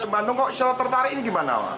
bandung kok saya tertarik ini gimana pak